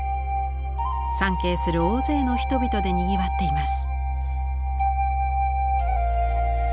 参詣する大勢の人々でにぎわっています。